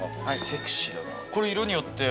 セクシーだな。